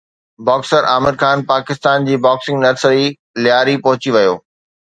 boxer Aamir Khan Pakistan جي boxing nursery Lyari پهچي ويو